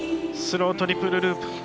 スロートリプルループ。